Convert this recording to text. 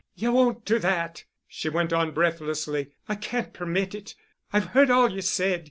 "You won't do that," she went on breathlessly. "I can't permit it. I've heard all you said.